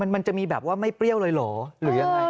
มันจะมีแบบว่าไม่เปรี้ยวเลยเหรอหรือยังไง